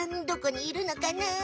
どこにいるのかな？